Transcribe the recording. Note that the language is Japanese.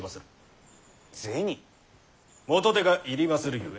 元手が要りまするゆえ。